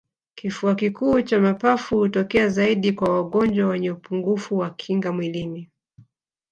kifua kikuu cha mapafu hutokea zaidi kwa wagonjwa wenye upungufu wa kinga mwilini